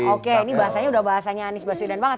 oke ini bahasanya sudah bahasanya anis baswedan banget